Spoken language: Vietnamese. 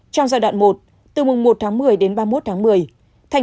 trong giai đoạn một từ mùng một tháng một mươi đến ba mươi một tháng một mươi